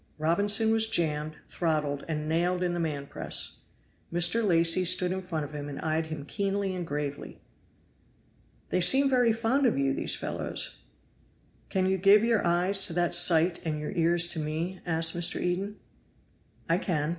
Robinson was jammed, throttled, and nailed in the man press. Mr. Lacy stood in front of him and eyed him keenly and gravely. "They seem very fond of you, these fellows." "Can you give your eyes to that sight and your ears to me?" asked Mr. Eden. "I can."